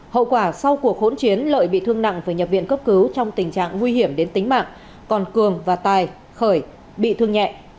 hậu quả sau cuộc hỗn chiến lợi bị thương nặng phải nhập viện cấp cứu trong tình trạng nguy hiểm đến tính mạng còn cường và tài khởi bị thương nhẹ